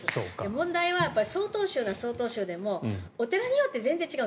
問題は曹洞宗は曹洞宗でもお寺によって全然違う。